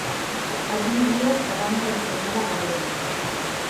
'As mil vidas da banda deseñada galega'.